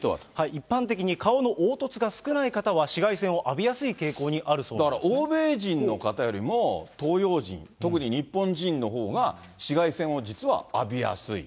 一般的に顔の凹凸が少ない方は紫外線を浴びやすい傾向にあるだから欧米人の方よりも、東洋人、特に日本人のほうが、紫外線を実は浴びやすい。